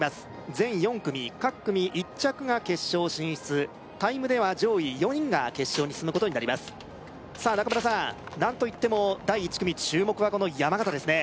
全４組各組１着が決勝進出タイムでは上位４人が決勝に進むことになりますさあ中村さん何と言っても第１組注目はこの山縣ですね